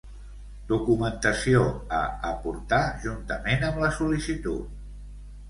Documentació a aportar juntament amb la sol·licitud.